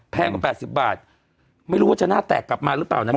กว่า๘๐บาทไม่รู้ว่าจะหน้าแตกกลับมาหรือเปล่านะ